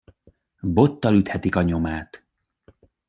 Bottal üthetik a nyomát.